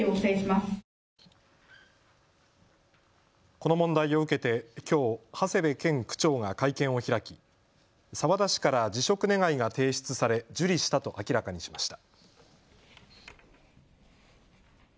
この問題を受けてきょう長谷部健区長が会見を開き澤田氏から辞職願が提出され受理したと明らかにしました。